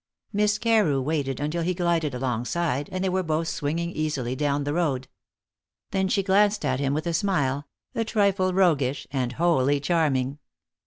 Miss Carew waited until he glided alongside, and they were both swinging easily down the road. Then she glanced at him with a smile a trifle roguish, and wholly charming.